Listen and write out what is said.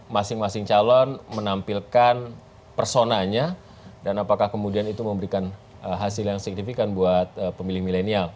masing masing calon menampilkan personanya dan apakah kemudian itu memberikan hasil yang signifikan buat pemilih milenial